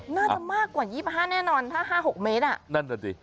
น่าจะมากกว่า๒๕แน่นอนถ้า๕๖เมตรอ่ะนั่นน่ะสิ